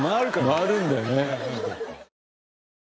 回るんだよね。